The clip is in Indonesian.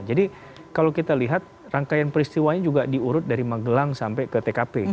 jadi kalau kita lihat rangkaian peristiwanya juga diurut dari magelang sampai ke tkp